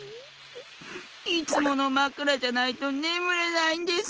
いつものまくらじゃないとねむれないんです。